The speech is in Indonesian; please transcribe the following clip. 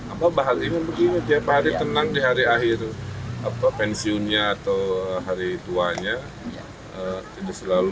abah ingin begini tiap hari tenang di hari akhir pensiunnya atau hari tuanya